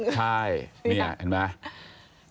ใช่เนี่ยเห็นมั้ย